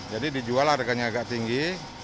jadi dijual harganya agak tinggi